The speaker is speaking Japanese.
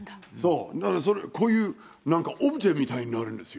だからこういうなんか、オブジェみたいになるんですよ。